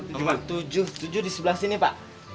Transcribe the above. nomor tujuh tujuh di sebelah sini pak